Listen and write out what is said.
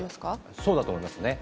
そうだと思いますね。